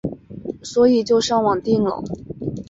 所以就上网订了